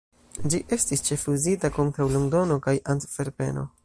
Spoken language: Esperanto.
Ĝi estis ĉefe uzita kontraŭ Londono kaj Antverpeno.